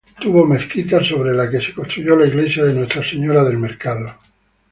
Tuvo mezquita sobre la que se construyó la iglesia de Nuestra Señora del Mercado.